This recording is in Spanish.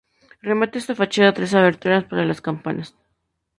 Remata esta fachada tres aberturas para las campanas.